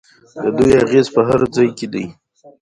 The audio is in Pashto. د دوی اغیز په هر ځای کې دی.